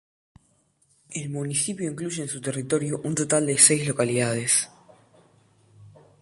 El municipio incluye en su territorio un total de seis localidades.